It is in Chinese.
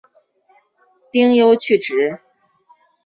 丁忧去职。